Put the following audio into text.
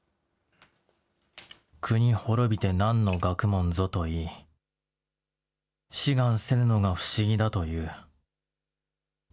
国滅びて何の学問ぞと言い、志願せぬのが不思議だと言う。